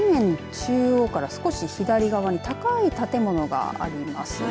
中央から少し左側に高い建物がありますね。